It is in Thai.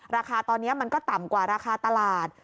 ราคาตอนนี้มันก็ต่ำกว่าราคาตลาด